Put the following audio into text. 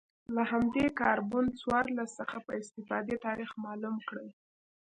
له همدې کاربن څوارلس څخه په استفادې تاریخ معلوم کړي